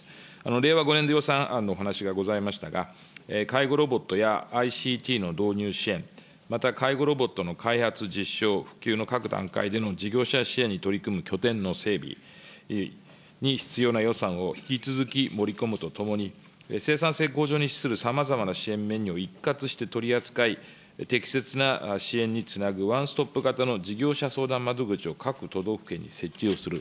令和５年度予算案の話がございましたが、介護ロボットやＩＣＴの導入支援、また介護ロボットの開発、実証、普及の各段階での事業者支援に取り組む拠点の整備に必要な予算を引き続き盛り込むとともに、生産性向上に資するさまざまな支援メニューを一括して取り扱い、適切な支援につなぐワンストップ型の事業者相談窓口を各都道府県に設置をする。